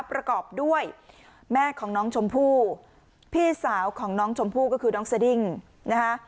ประกอบด้วยแม่ของน้องชมพู่พี่สาวของน้องชมพู่ก็คือน้องสดิ้งนะคะ